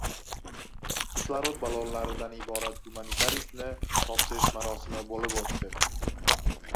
kislorod ballonlaridan iborat gumanitar yukni topshirish marosimi bo‘lib o‘tdi.